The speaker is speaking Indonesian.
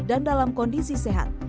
dan dalam kondisi sehat